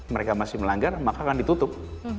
mereka masih melanggar maka akan ditutup